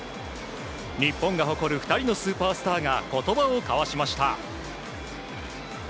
日本が誇る２人のスーパースターが言葉を交わしました。